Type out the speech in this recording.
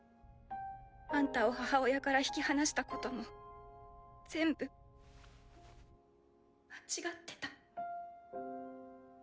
あんたを母親から引き離したことも全部・間違ってた。